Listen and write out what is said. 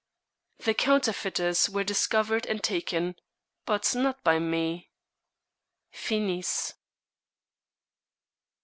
The counterfeiters were discovered and taken, but not by me. FINIS.